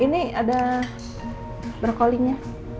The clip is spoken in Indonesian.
ini ada brokoli nya